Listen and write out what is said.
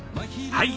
はい。